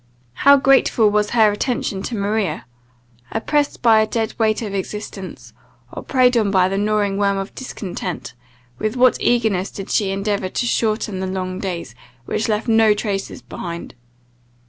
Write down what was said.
How grateful was her attention to Maria! Oppressed by a dead weight of existence, or preyed on by the gnawing worm of discontent, with what eagerness did she endeavour to shorten the long days, which left no traces behind!